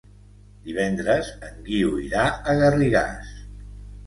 Divendres en Guiu irà a Garrigàs.